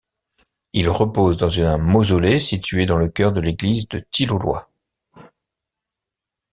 Ils reposent dans un mausolée situé dans le chœur de l'église de Tilloloy.